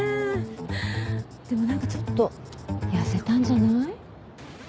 でもなんかちょっと痩せたんじゃない？